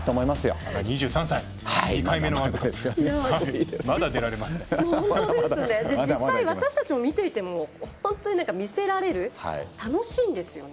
実際私たちも見ていても本当に魅せられる楽しいんですよね。